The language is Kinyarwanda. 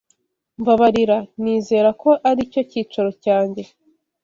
Mbabarira. Nizera ko aricyo cyicaro cyanjye.